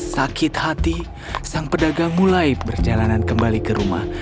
sakit hati sang pedagang mulai berjalanan kembali ke rumah